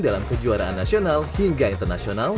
dalam kejuaraan nasional hingga internasional